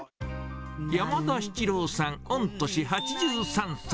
山田七郎さん、御年８３歳。